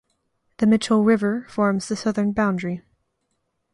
The "Mitchell River" forms the southern boundary.